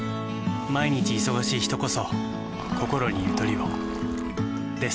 毎日忙しい人こそこころにゆとりをです。